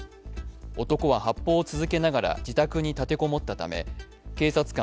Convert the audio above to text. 男は発砲を続けながら自宅に立て籠もったため警察官